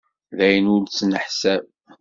D ayen ur nettneḥsab.